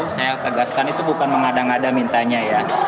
saya tegaskan itu bukan mengada ngada mintanya ya